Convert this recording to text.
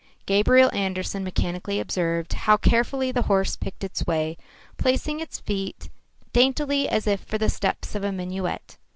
Gabriel Andersen mechanically observed how carefully the horse picked its way, placing its feet daintily as if for the steps of a minuet.